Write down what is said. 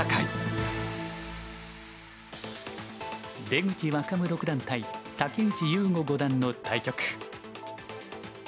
出口若武六段対竹内雄悟五段の対局。